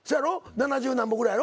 ７０なんぼぐらいやろ？